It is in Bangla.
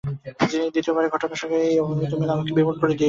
দ্বিতীয় বারেও ঘটনার সঙ্গে এই অভাবিত মিল আমাকে বিমূঢ় করে দিয়ে গেল।